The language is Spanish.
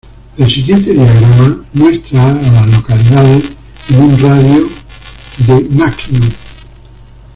El siguiente diagrama muestra a las localidades en un radio de de McKinnon.